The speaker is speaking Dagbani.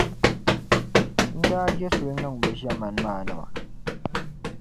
n daa je suli niŋ bɛ ʒiɛmani maa nima.